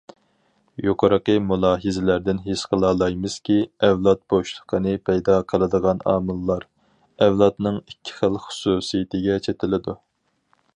يۇقىرىقى مۇلاھىزىلەردىن ھېس قىلالايمىزكى، ئەۋلاد بوشلۇقىنى پەيدا قىلىدىغان ئامىللار ئەۋلادنىڭ ئىككى خىل خۇسۇسىيىتىگە چېتىلىدۇ.